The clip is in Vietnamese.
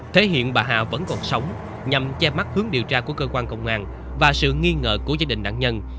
thể hiện bà hà vẫn còn sống nhằm che mắt hướng điều tra của cơ quan công an và sự nghi ngờ của gia đình nạn nhân